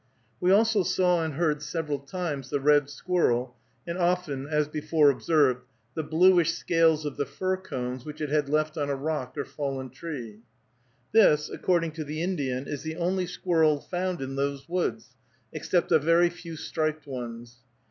We also saw and heard several times the red squirrel, and often, as before observed, the bluish scales of the fir cones which it had left on a rock or fallen tree. This, according to the Indian, is the only squirrel found in those woods, except a very few striped ones.